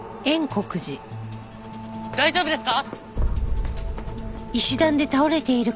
大丈夫ですか？